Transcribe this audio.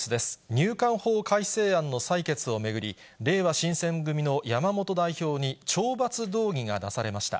入管法改正案の採決を巡り、れいわ新選組の山本代表に、懲罰動議が出されました。